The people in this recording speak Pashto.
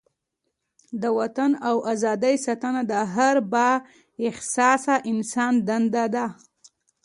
د وطن او ازادۍ ساتنه د هر با احساسه انسان دنده ده.